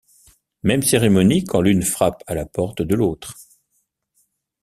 Même cérémonie quand l’une frappe à la porte de l’autre.